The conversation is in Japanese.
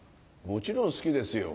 もちろん好きですよ。